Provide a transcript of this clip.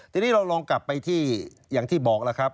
ทีนี้เราลองกลับไปที่อย่างที่บอกแล้วครับ